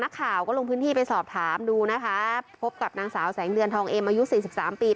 นักข่าวก็ลงพื้นที่ไปสอบถามดูนะคะพบกับนางสาวแสงเดือนทองเอ็มอายุสี่สิบสามปี